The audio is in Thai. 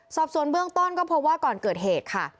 สอบส่วนเบื้องต้นก็พบว่าก่อนเกิดเหตุค่ะ